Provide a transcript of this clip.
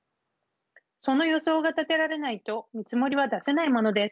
その予想が立てられないと見積もりは出せないものです。